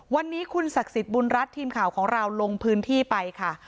วันนี้คุณศักดิ์สิทธิ์บุญรัฐทีมข่าวของเราลงพื้นที่ไปค่ะ